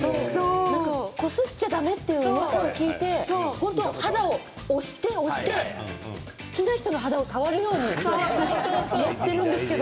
こすっちゃだめというのを聞いて腹を押して押して好きな人の肌を触るようにやっているんですけれど。